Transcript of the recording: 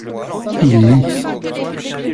il lit.